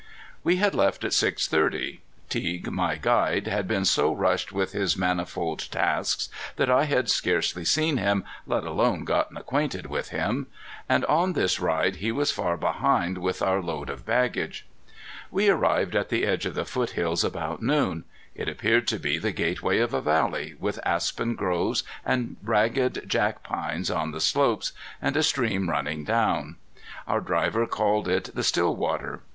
We had left at six thirty. Teague, my guide, had been so rushed with his manifold tasks that I had scarcely seen him, let alone gotten acquainted with him. And on this ride he was far behind with our load of baggage. We arrived at the edge of the foothills about noon. It appeared to be the gateway of a valley, with aspen groves and ragged jack pines on the slopes, and a stream running down. Our driver called it the Stillwater.